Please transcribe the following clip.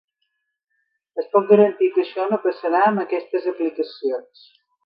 Es pot garantir que això no passarà amb aquestes aplicacions?